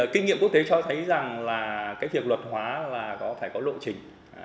kinh nghiệm quốc tế cho thấy rằng là cái việc luật hóa là có thể có lộ trình